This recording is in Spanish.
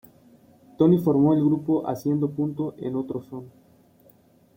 Tony formó el grupo Haciendo Punto En Otro Son.